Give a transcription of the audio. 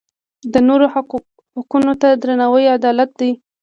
د نورو حقونو ته درناوی عدالت دی.